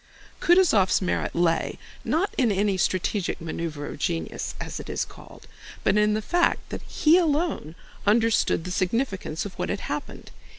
Kutúzov's merit lay, not in any strategic maneuver of genius, as it is called, but in the fact that he alone understood the significance of what had happened.